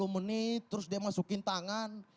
tiga puluh menit terus dia masukin tangan